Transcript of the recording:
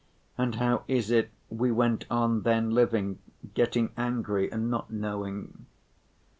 And how is it we went on then living, getting angry and not knowing?"